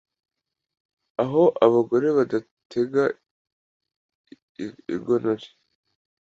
Aho abagore badatega ignore